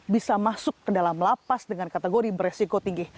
bisa masuk ke dalam lapas dengan kategori beresiko tinggi